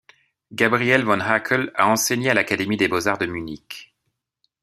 Gabriel von Hackl a enseigné à l'Académie des beaux-arts de Munich.